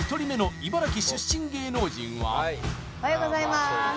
おはようございます